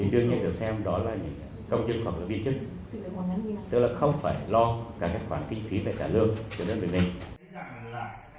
thì đương nhiên được xem đó là công chức hoặc là viên chức